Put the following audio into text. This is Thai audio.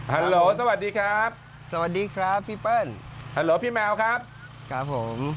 ฮัลโหลสวัสดีครับสวัสดีครับพี่เปิ้ลฮัลโหลพี่แมวครับครับผม